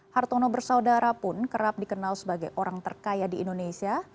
hartono bersaudara pun kerap dikenal sebagai orang terkaya di indonesia